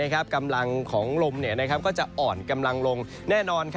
กำลังของลมก็จะอ่อนกำลังลงแน่นอน